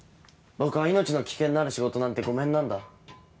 僕は命の危険のある仕事なんてごめんなんだ。